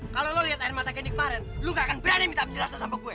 kalau lo lihat air mata kenik kemarin lu gak akan berani minta penjelasan sama gue